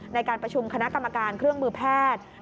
ในการประชุมคณะกรรมการเครื่องมือแพทย์